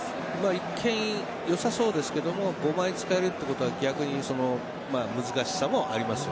一見、良さそうですが５枚使えるということは逆に難しさもあります。